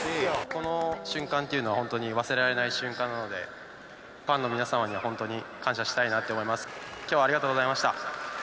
この瞬間というのは、本当に忘れられない瞬間なので、ファンの皆様には本当に感謝したいなと思います。